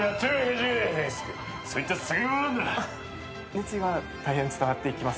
熱意は大変伝わってきますね。